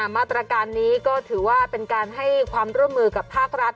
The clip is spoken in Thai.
มาตรการนี้ก็ถือว่าเป็นการให้ความร่วมมือกับภาครัฐ